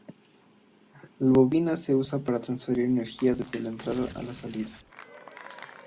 La bobina se usa para transferir energía desde la entrada a la salida.